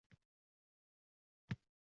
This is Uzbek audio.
Yurak yutib javob qaytaradi bola.